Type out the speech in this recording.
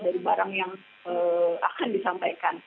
dari barang yang akan disampaikan